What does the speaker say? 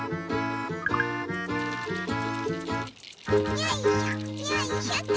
よいしょよいしょと。